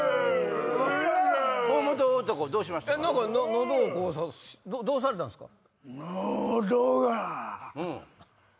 喉をこう指してどうされたんですか？